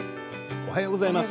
おはようございます。